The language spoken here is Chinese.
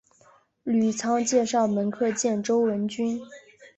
吕仓介绍门客见周文君。